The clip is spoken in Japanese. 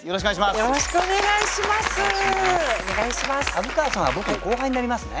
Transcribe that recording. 虻川さんは僕の後輩になりますね？